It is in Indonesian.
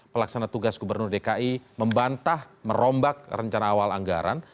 pelaksana tugas gubernur dki membantah merombak rencana awal anggaran